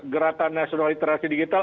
gerakan nasional literasi digital